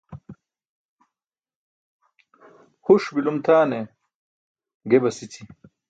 Huṣ bi̇lum tʰaana ge basi̇ći̇.